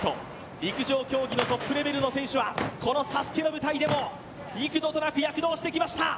陸上競技のトップレベルの選手はこのＳＡＳＵＫＥの舞台でも幾度となく躍動してきました。